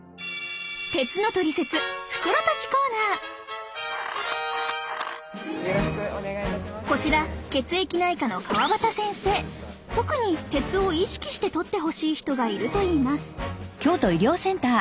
コーナーこちら血液内科の特に鉄を意識してとってほしい人がいるといいます